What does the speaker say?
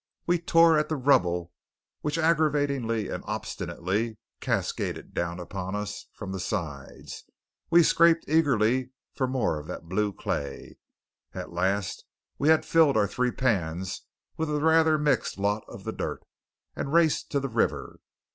We tore at the rubble, which aggravatingly and obstinately cascaded down upon us from the sides; we scraped eagerly for more of that blue clay; at last we had filled our three pans with a rather mixed lot of the dirt, and raced to the river.